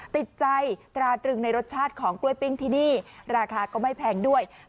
ติดใจตราตรึงในรสชาติของกล้วยปิ้งที่นี่ราคาก็ไม่แพงด้วย